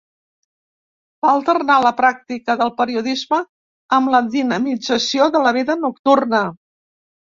Va alternar la pràctica del periodisme amb la dinamització de la vida nocturna.